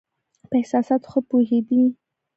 په احساساتو ښه پوهېدی.